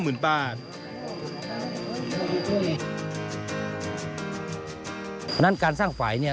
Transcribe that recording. เพราะฉะนั้นการสร้างฝ่าย